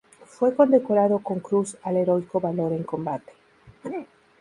Fue condecorado con Cruz al Heroico Valor en Combate.